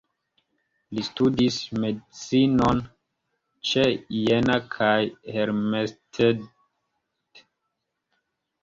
Li studis medicinon ĉe Jena kaj Helmstedt.